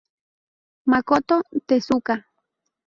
Makoto Tezuka